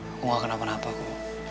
aku enggak kenapa napa ku